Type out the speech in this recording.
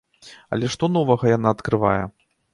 Але што новага яна адкрывае?